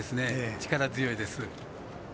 力強いです。